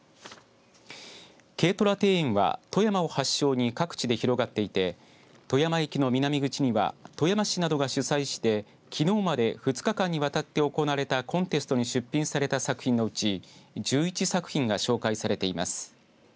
軽トラ庭園は富山を発祥に各地で広がっていて富山駅の南口には富山市などが主催して、きのうまで２日間にわたって行われたコンテストに出品された作品のうち１１作品が紹介されています。